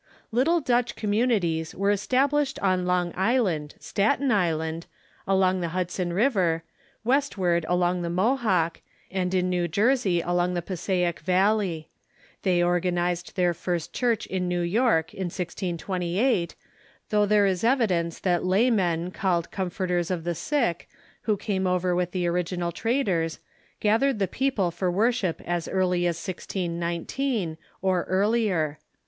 Little Dutch communities were established on Long Island, Staten Island, along the Hudson River, westward along the Mohawk, and in New Jersey along the Passaic valley. They organized their first church in New York in 1628, though tliere is evidence that laymen called comforters of the sick, who came over with the original traders, gathered the people for worship as early as 1619, or earlier.